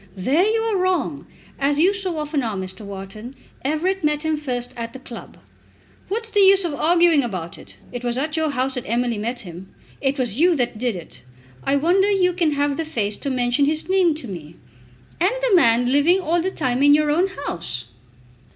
"There you are wrong, as you so often are, Mr. Wharton. Everett met him first at the club." "What's the use of arguing about it? It was at your house that Emily met him. It was you that did it. I wonder you can have the face to mention his name to me." "And the man living all the time in your own house!"